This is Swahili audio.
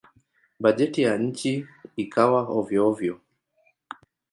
Bajeti ya nchi ikawa hovyo-hovyo.